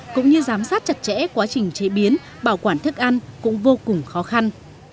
cũng như giám sát chặt chẽ quá trình chế biến bảo quản thức ăn cũng vô cùng khó khăn